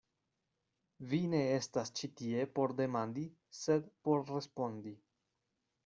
Vi ne estas ĉi tie por demandi sed por respondi.